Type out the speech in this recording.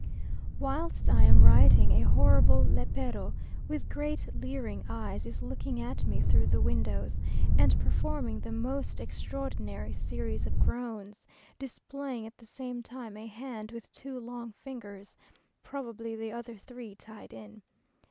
Whilst I am writing a horrible lépero, with great leering eyes, is looking at me through the windows, and performing the most extraordinary series of groans, displaying at the same time a hand with two long fingers, probably the other three tied in.